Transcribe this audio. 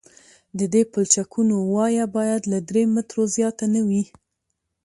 د دې پلچکونو وایه باید له درې مترو زیاته نه وي